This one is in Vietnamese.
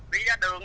đi ra đường